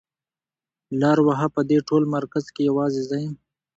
لار وهه په دې ټول مرکز کې يوازې زه يم.